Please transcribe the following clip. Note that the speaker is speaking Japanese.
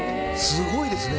すごいですね。